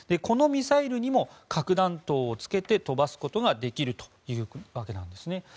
このミサイルにも核弾頭をつけて飛ばすことができるというわけです。